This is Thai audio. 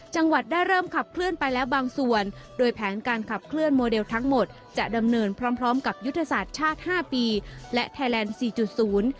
จังหวัดได้เริ่มขับเคลื่อนไปแล้วบางส่วนโดยแผนการขับเคลื่อนโมเดลทั้งหมดจะดำเนินพร้อมพร้อมกับยุทธศาสตร์ชาติห้าปีและไทยแลนด์สี่จุดศูนย์